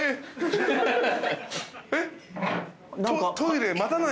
えっ？